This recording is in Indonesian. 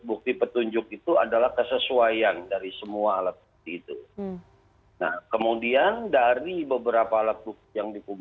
bukti petunjuk itu adalah kesesuaian dari semua alat bukti itu